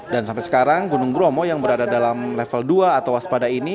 dan sampai sekarang gunung bromo yang berada dalam level dua atau waspada ini